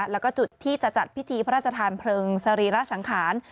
แล้วก็จุดที่จะจัดพิธีพระราชทานเพลิงสรีระสังขาร